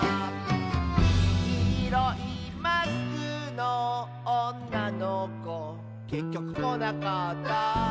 「きいろいマスクのおんなのこ」「けっきょくこなかった」